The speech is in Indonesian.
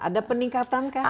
ada peningkatan kah